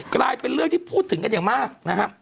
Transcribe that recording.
กลายเป็นเรื่องที่พูดถึงกันอย่างมากนะครับ